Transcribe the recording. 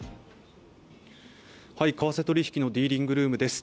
為替取引のディーリングルームです。